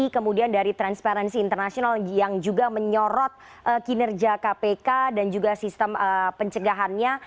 kemudian dari transparency international yang juga menyorot kinerja kpk dan juga sistem pencegahannya